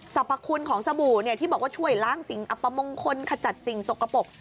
สรรพคุณของสบู่ที่บอกว่าช่วยล้างสิ่งอัปมงคลขจัดสิ่งสกปรก